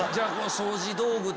掃除道具？